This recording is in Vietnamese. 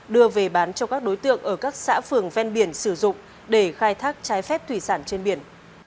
đưa về bán cho các đối tượng ở các xã phường ven biển sử dụng để khai thác trái phép thủy sản trên biển